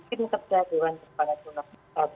saya ingin menyaksikan kepada pemerintah